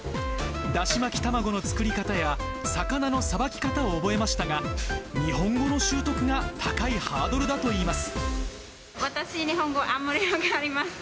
だし巻き卵の作り方や、魚のさばき方を覚えましたが、日本語の習得が高いハードルだと私、日本語あんまり分かりません。